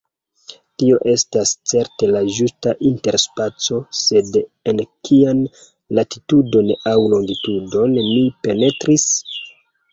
Tio estas certe la ĝusta interspaco, sed en kian latitudon aŭ longitudon mi penetris?